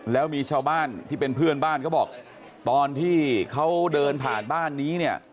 แล้วมีชาวบ้านที่เป็นเพื่อนบ้านเขาบอกตอนที่เขาเดินผ่านบ้านนี้เนี่ย